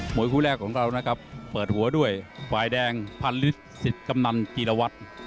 หมวยคู่แรกของเรานะครับเปิดหัวด้วยวายแดงพันฤทธิ์ศิษฐ์กำนันกีฬวัฒน์